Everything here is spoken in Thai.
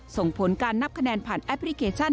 ส่งผลการนับคะแนนผ่านแอปพลิเคชัน